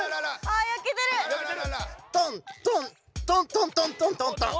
トントントントントントントントン。